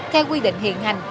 theo quy định hiện hành